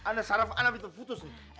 anda syaraf anak itu putus nih